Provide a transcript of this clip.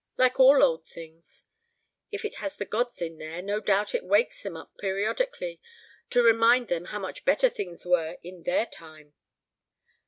Like all old things. If it has the gods in there, no doubt it wakes them up periodically to remind them how much better things were in their time.